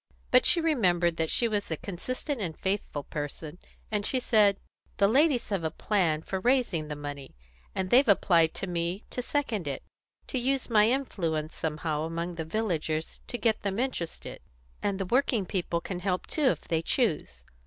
But she remembered that she was a consistent and faithful person, and she said: "The ladies have a plan for raising the money, and they've applied to me to second it to use my influence somehow among the villagers to get them interested; and the working people can help too if they choose.